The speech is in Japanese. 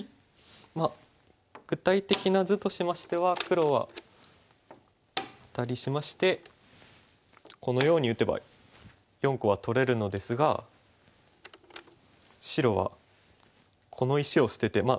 まあ具体的な図としましては黒はアタリしましてこのように打てば４個は取れるのですが白はこの石を捨てて。